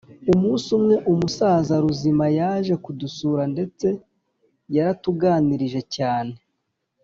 umunsi umwe umusaza ruzima yaje kudusura ndetse yaratuganirije cyane